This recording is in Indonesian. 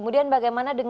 menguangcarai pihak dpr